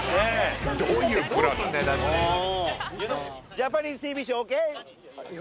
ジャパニーズＴＶショーＯＫ？